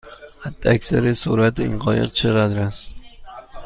حداکثر سرعت این قایق چقدر است؟